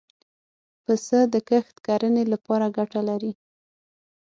پسه د کښت کرنې له پاره ګټه لري.